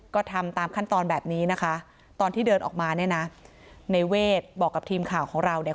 ก็ทำตามขั้นตอนแบบนี้นะคะตอนที่เดินออกมาเนี่ยนะในเวทบอกกับทีมข่าวของเราเนี่ย